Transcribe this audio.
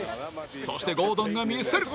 そしてゴードンが見せる！